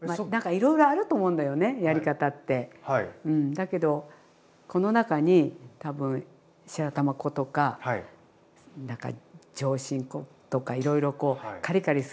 だけどこの中に多分白玉粉とか上新粉とかいろいろカリカリする粉ってあるじゃない？